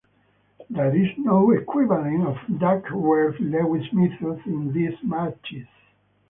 There is no equivalent of Duckworth-Lewis Method in these matches.